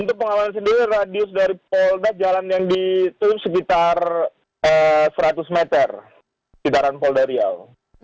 untuk pengamanan sendiri radius dari polda jalan yang diturunkan sekitar seratus meter sekitaran polda riau